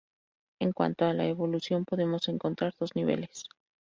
En cuanto a la evaluación podemos encontrar dos niveles.